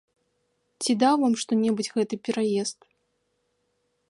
Ці даў вам што-небудзь гэты пераезд?